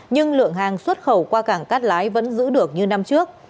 nhưng lượng hàng xuất khẩu qua cảng cát lái vẫn giữ được như năm trước